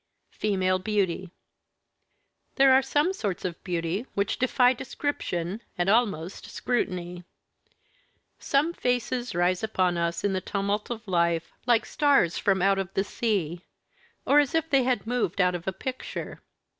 FEMALE BEAUTY There are some sorts of beauty which defy description, and almost scrutiny. Some faces rise upon us in the tumult of life, like stars from out the sea, or as if they had moved out of a picture.